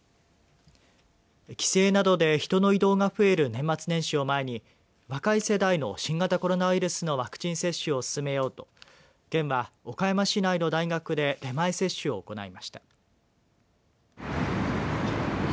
帰省などで人の移動が増える年末年始を前に若い世代の新型コロナウイルスのワクチン接種を進めようと県は、岡山市内の大学で出前接種を行いました。